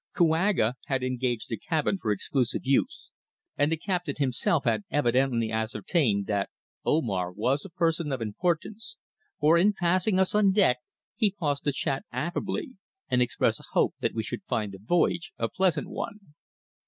Kouaga had engaged a cabin for our exclusive use, and the captain himself had evidently ascertained that Omar was a person of importance, for in passing us on deck he paused to chat affably, and express a hope that we should find the voyage a pleasant one.